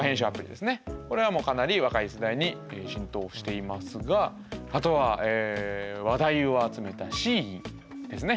これはかなり若い世代に浸透していますがあとは話題を集めたＳＨＥＩＮですね。